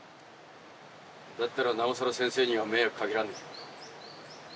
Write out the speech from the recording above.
だったらなおさら先生には迷惑かけらんねえ。